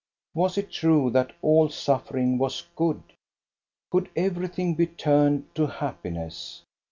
Was it true that all suffering was good? Could every thing be turned to happiness?